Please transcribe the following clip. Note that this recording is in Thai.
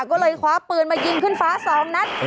ก็เลยคว้าปืนมายิงขึ้นฟ้า๒นัด